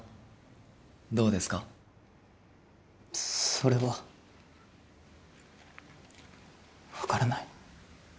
それはわからない。